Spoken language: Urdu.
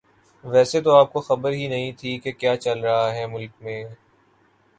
ویسے تو آپ کو خبر ہی نہیں تھی کہ کیا چل رہا ہے ملک میں